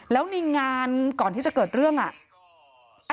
แล้วในงานก่อนที่จะเกิดเรื่องอ่ะ